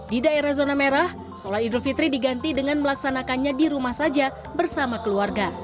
di daerah zona merah sholat idul fitri diganti dengan melaksanakannya di rumah saja bersama keluarga